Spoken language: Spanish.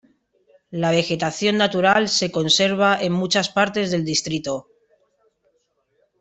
La vegetación natural se conserva en muchas partes del distrito.